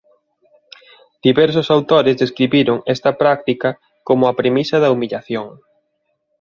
Diversos autores describiron esta práctica como a premisa da humillación.